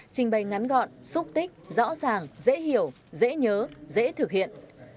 trình bày ngắn gọn xúc tích rõ ràng dễ hiểu dễ nhớ dễ thực hiện